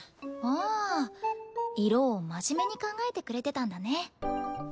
ああ色を真面目に考えてくれてたんだね。